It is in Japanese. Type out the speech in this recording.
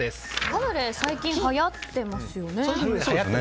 カヌレ、最近はやってますよね。